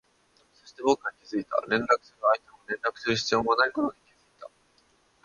そして、僕は気づいた、連絡する相手も連絡する必要もないことに気づいた